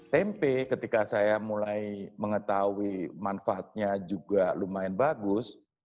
tempe ketika saya mulai mengetahui manfaatnya juga lumayan bagus